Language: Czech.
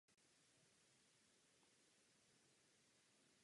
Podotýkám, že v tomto smyslu obsahuje zpráva doporučení Komisi.